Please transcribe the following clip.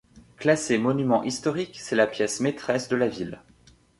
Classée monument historique, c'est la pièce maîtresse de la ville.